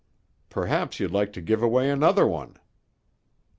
"Perhaps you'd like to give away another one."